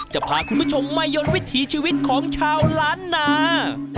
จะพาคุณผู้ชมมายนต์วิถีชีวิตของชาวล้านนา